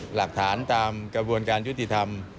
หลักฐานตามกระบวนการยุติธรรม